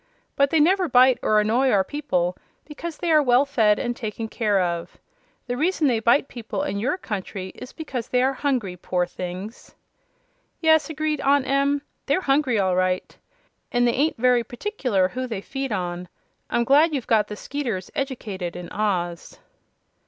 "But they never bite or annoy our people, because they are well fed and taken care of. The reason they bite people in your country is because they are hungry poor things!" "Yes," agreed Aunt Em; "they're hungry, all right. An' they ain't very particular who they feed on. I'm glad you've got the 'skeeters educated in Oz."